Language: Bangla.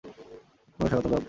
পুনরায় স্বাগতম, বব।